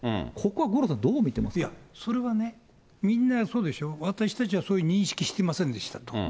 ここは五郎さん、どう見てますかいや、それはね、みんなそうでしょ、私たちはそういう認識していませんでしたと。